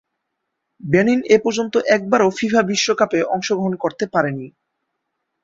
Benin এপর্যন্ত একবারও FIFA বিশ্বকাপে অংশগ্রহণ করতে পারেনি।